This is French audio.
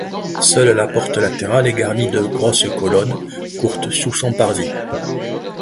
Seule la porte latérale est garnie de grosses colonnes courtes sous son parvis.